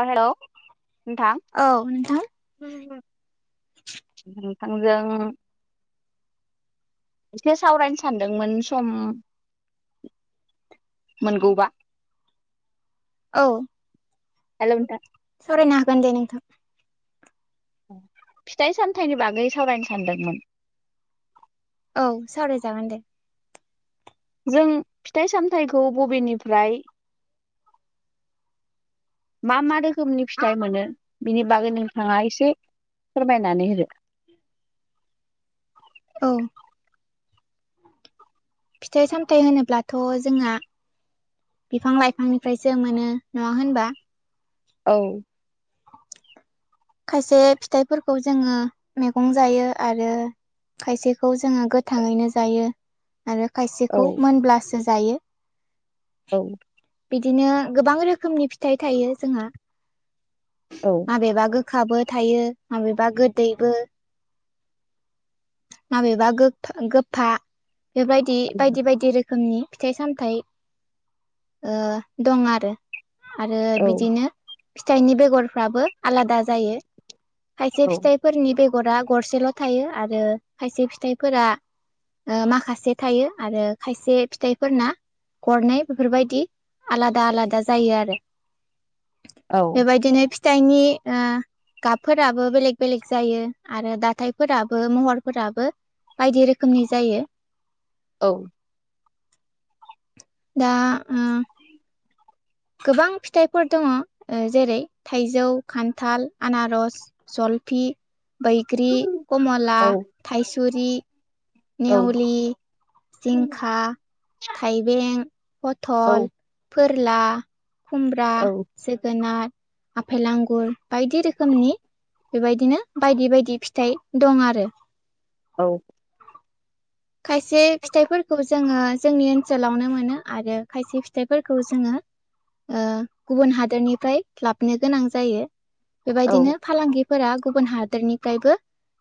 अ hello नोंथां। औ नोंथां नोंथांजों एसे सावरायनो सानदोंमोन सम मोनगौबा औ। हेलौ नोंथां। सावरायनो हागोन दे नोंथां। फिथाइ सामथायाइनि बागै सावरायनो सानदोंमोन। औ सावरायजागोन दे। जों फिथाइ सामथायखौ बबेनिफ्राय मा मा रोखोमनि फिथाइ मोनो बिनि बागै नोंथाङा एसे फोरमायनानै होदो औ। फिथाइ सामथाय होनोब्लाथ जोंहा बिफां लाइफांनिफ्रायसो मोनो नङा होनबा औ। खायसे फिथाइफोरखौ जोंङो मैगं जायो आरो खायसेखौ जोंङो गोथांङैनो जायो। आरो औ खायसेखौ मोनब्लासो जायो औ। बिदिनो गोबां रोखोमनि फिथाइ थायो जोंहा औ माबेबा गो खाबो थायो माबेबा गोदैबो माबेबा गोफा बेफोरबायदि बायदि बायदि रोखोम। रोखोमनि फिथाइ सामथाइ ओ दं आरो आरो औ बिदिनो फिथाइनि बेगरफ्राबो आलादा जायो। खायसे औ फिथाइफोरनि बेगरा गरसेल थायो आरो खायसे फिथाइफोरा माखासे थायो आरो खायसे फिथाइफोरना गरनाय बेफोरबायदि आलादा आलादा जायो आरो बेबायदिनो फिथाइनि ओ गाबफोराबो बेलेग बेलेग जायो आरो दााथायफोराबो महरफोराबो बायदि रोखोमनि जायो। औ। दा ओ गोबां फिथाइफोर दङ जेरै थाइजौ खान्थाल आनारस जल - फि बैग्रि कमला थाइसुरि औ नेवलि जिंखा थाइबें औ पथल फोरला खुमब्रा जोगोनार आफेल आंगुर बायदि रोखोमनि बेबायदिनो बायदि बायदि फिथाइ दं आरो औ खायसे फिथाइफोरखौ जोङो जोंनि ओनसोलावनो मोनो आरो खायसे फिथाइफोरखौ जोङो ओ गुबुन हादरनिफ्राय लाबोनो गोनां जायो औ बेबायदिनो फालांगि फोरा गुबुन हादोरनिफ्रायबो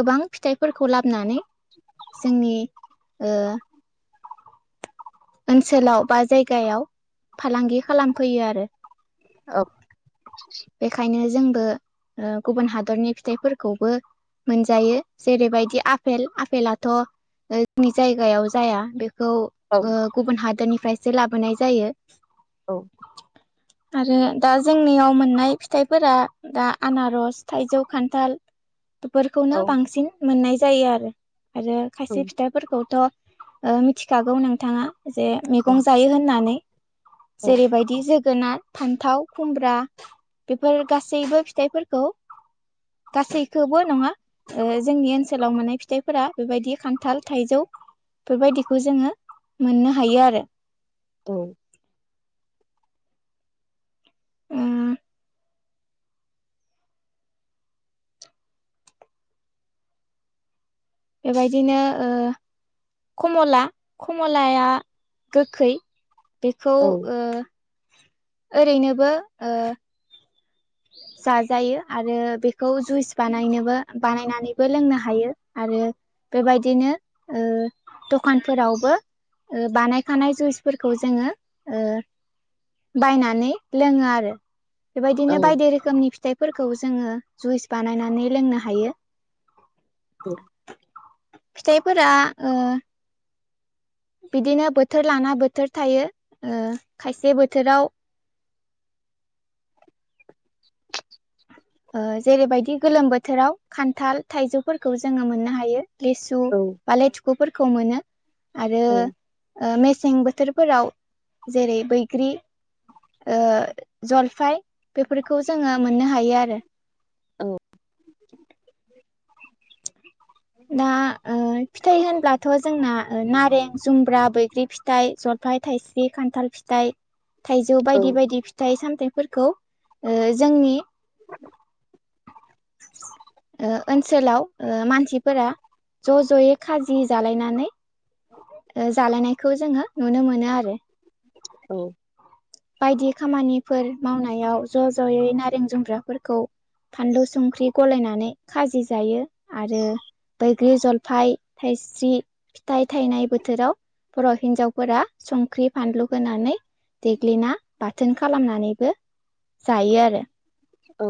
गोबां फिथाइफोरखौ लाबोनानै जोंनि ओ ओनसोलाव बा जायगायाव फालांगि खालामफैयो आरो। औ बेखायनो जों ओ ओ गुबुन हादरनि फिथाइफोरखौबो मोनजायो जेरैबायदि आफेल आ पेलाथ' जोंनि जायगायाव जाया बेखौ गुबुन हादोरनि फ्रायसो लाबोनाय जायो। औ आरो दा जोंनियाव मोननाय फिथाइफोरा दा आनारस, थाइजौ, खान्थाल बेफोरखौनो बांसिन मोननाय जायो आरो आरो खायसे फिथाइफोरखौथ' मिथिखागौ नोंथाङा जे मैगं जायो होननानै। औ जेरैबायदि जो गोनार, फान्थाव, खुमब्रा बेफोर गासैबो फिथाइफोरखौ गासैखौबो नङा जोंनि ओनसोलाव माने फिथाइ फोरा बेबायदि खान्थाल थाइजौ बेबायदिखौ जोङो मोननो हायो आरो। औ उम बेबायदिनो ओ कमला कमलाया गोखै बेखौ औ ओ ओरैनोबो ओ [inaudible] जाजायो आरो बेखौ जुइस बानायनोबो बानायनानैबो लोंनो हायो आरो बेबायदिनो ओ दखानफोरावबो ओ बानायखानाय जुइसफोरखौ जोङो ओ बायनानै लोङो आरो बेबाय औ दि रोखोमनि फिथाइफोरखौ जोङो जुइस बानायनानै लोंनो हायो। फिथाइफोरा ओ बिदिनो बोथोर लाना बोथोर थायो ओ खायसे बोथोराव [inaudible] ओ जेरैबायदि गोलोम बोथोराव खान्थाल, थाइजौफोरखौ जोङो मोननो हायो लेसु औ बा लेथुखुफोरखौ मोनो आरो औ ओ मे सें बोथोरफोराव जेरै बैग्रि ओ जलफाय बेफोरखौ जोङो मोन नो हायो आरो। औ दा ओ फिथाइ होनब्लाथ' जोंना नारें जुमब्रा, बै ग्रि फिथाइ, जलफाइ, थाइस्रि, खान्थाल फिथाइ, थाइजौ औ बायदि बायदि फिथाइ सामथायाइ फोरखौ ओ जोंनि [inaudible] ओ ओनसोलाव ओ मानसि फोरा ज' ज'यै खाजि जालायनानै ओ जालायनायखौ जोङो नुनो मोनो आरो। औ बायदि खामानिफोर मावनायाव ज' ज'यै नारें जुमब्राफोरखौ फानलु संख्रि गलायनानै खाजि जायो आरो बैग्रि, जलफाय, थाइस्रि फिथाइ थायनाय बोथोराव बर' हिनजावफोरा संख्रि फानलु होनानै देग्लिना बाथोन खालामनानैबो जायो आरो। औ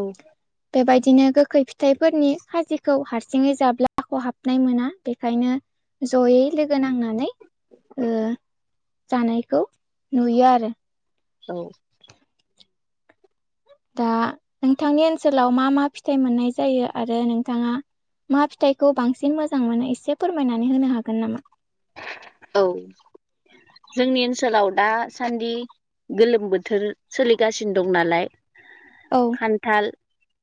बेबायदिनो गोखै फिथाइफोरनि खाजि खौ हारसिङै जाब्ला खहाबनाय मोना बेखायनो जयै लोगो नांनानै ओ जानायखौ नुयो आरो। औ। दा नोंथांनि ओनसोलाव मा मा फिथाइ मोननाय जायो आरो नोंथाङा मा फिथाइखौ बांसिन मोजां मोनो एसे फोरमायनानै होनो हागोन नामा? औ। जोंनि ओनसोलाव दासान्दि गोलोम बोथोर सो--लिगासिनो दं नालाय औ खान्थाल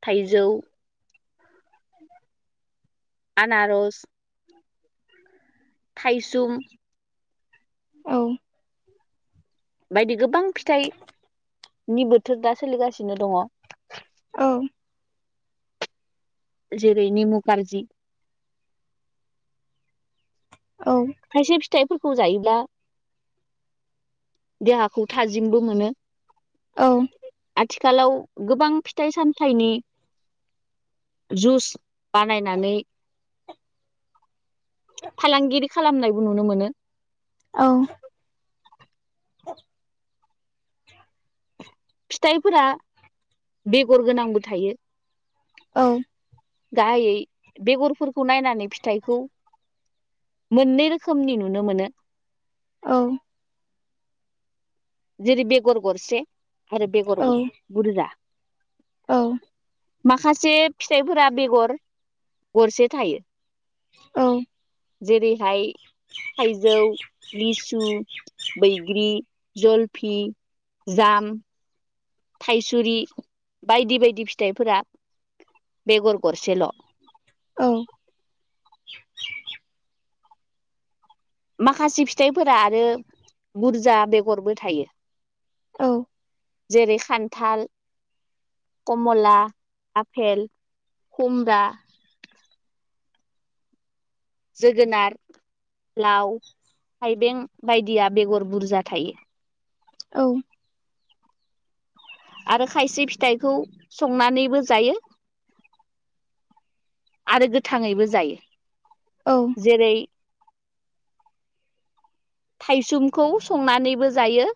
थाइजौ आनारस थाइसुम औ। बायदि गोबां फिथाइनि बोथोर दा सोलिगासिनो दङ। औ। जेरै निमुखार्जि औ खासे फिथ थाइफोरखौ जायोब्ला देहाखौ थाजिमबो मोनो। औ। आथिखालाव गोबां फिथाइ सामथाइनि जुस बानायनानै फालांगिरि खालामनायबो नुनो मोनो। औ। फिथाइफोरा बेगर गोनांबो थायो। औ। गाहायै बेगरफोरखौ नायनानै फिथाइखौ मोननै रोखोमनि नुनो मोनो। औ जेरै बेगर गरसे आरो बेगर बुरजा। औ। माखासे फिथाइफोरा बेगर गरसे थायो। औ। जेरैहाय थाइजौ लिसु बैग ग्रि जलफि जाम। थाइसुरि बायदि बायदि फिथाइफोरा बेगर गसेल'। औ [inaudible] माखासे फिथाइफोरा आरो बुरजा बेगरबो थायो। औ। जेरै खान्थाल। कमला आफेल खमरा। जोगोनार लाव। थाइबें बायदिया बेगर बुरजा थायो। औ। आरो खायसे फिथाइखौ संनानैबो जायो। आरो गोथाङैबो जायो जेरै थाइसुमखौ संनानैबो जायो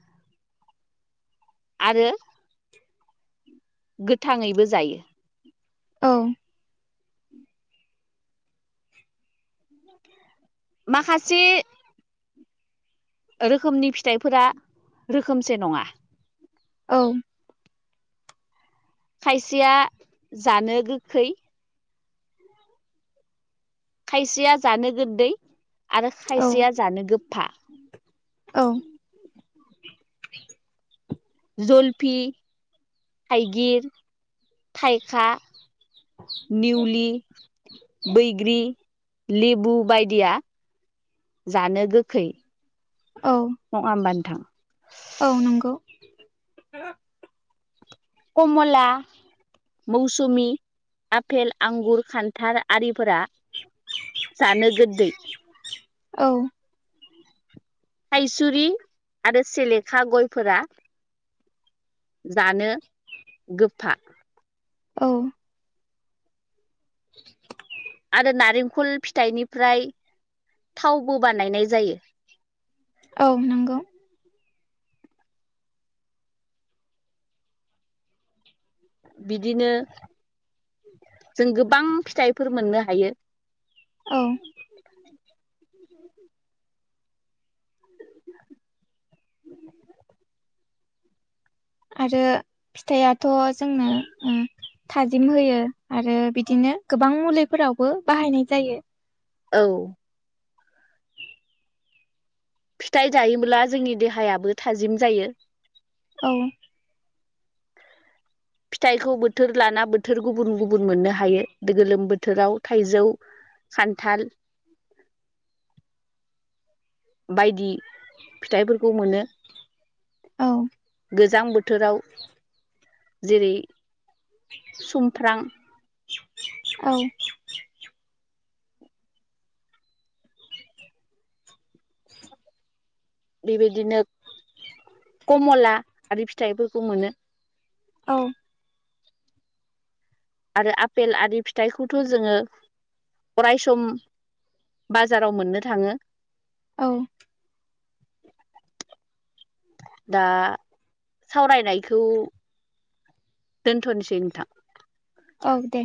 आरो [inaudible] गोथाङैबो जायो। औ। माखासे रोखोमनि फिथाइफोरा रोखोमसे नङा। औ। खायसेया जानो गोखै। खायसेया जानो गोददै आरो औ खायसेया जानो गोफफा। औ जलफि थाइगिर थाइखा निउलि बैग्रि लेबु बायदिया जानो गोखै औ नङा होमबा नोंथां? औ नंगौ कमला मौसुमि आफपेल आंगुर खान्थाल आरिफोरा जानो गोदै। औ थाइजुरि आरो सेलेखा गयफोरा जानो गोफा औ आरो नारेंखल फिथाइनिफ्राय थावबो बानायनाय जायो। औ नंगौ। बिदिनो जों गोबां फिथाइफोर मोननो हायो। [inaudible] औ आरो फिथाइआथ' जोंना ओ थाजिम होयो आरो बिदिनो गोबां मुलिफोरावबो बाहायनाय जायो। औ फिथाइ जायोब्ला जोंनि देहायाबो थाजिम जायो। औ फिथाइखौ बोथोर लाना बोथोर गुबुन गुबुन मोननो हायो गोलोम बोथोराव थाइजौ खान्थाल बायदि फिथाइफोरखौ मोनो। औ गोजां बोथोराव जेरै सुमफ्र्रां औ बेबायदिनो कमला आरि फिथाइफोरखौ मोनो औ आरो आफेल आरि फिथाइखौथ' जोङो अराय सम बाजाराव मोननो थाङो। औ [inaudible] दा सावरायनायखौ दोनथ'नोसै नोंथां? औ दे।